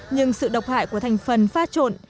nhưng sự độc hại của thành phần pha trộn